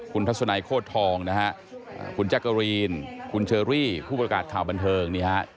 คุณทัศนัยโคตรทองนะฮะคุณจักรีนคุณเชอรี่ผู้ประกาศข่าวบันเทิงนี่ฮะ